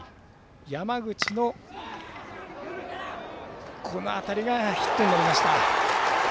山口の当たりがヒットになりました。